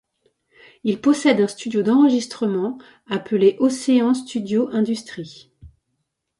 Il possède un studio d'enregistrement appelé Océan Studios Industries.